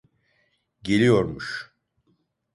Geliyormuş.